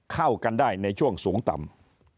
เข้ากันได้ในช่วงสูงต่ำ